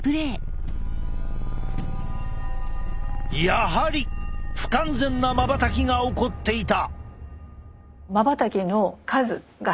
やはり不完全なまばたきが起こっていた。